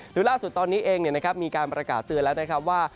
หรือล่าสุดตอนนี้เองมีการประกาศเตือนแล้วว่า